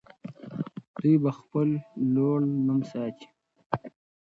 دوی به خپل لوړ نوم ساتي.